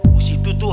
di situ tuh